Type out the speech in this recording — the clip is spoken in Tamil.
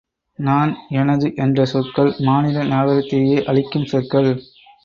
நான் எனது என்ற சொற்கள் மானிட நாகரிகத்தையே அழிக்கும் சொற்கள்!